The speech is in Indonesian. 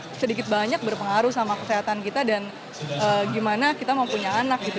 itu sedikit banyak berpengaruh sama kesehatan kita dan gimana kita mempunyai anak gitu